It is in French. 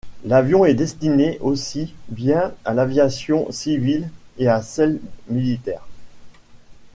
L'avion est destiné aussi bien à l'aviation civile et à celle militaire.